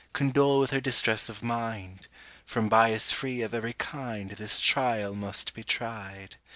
Condole with her distress of mind— From bias free of every kind, This trial must be tried!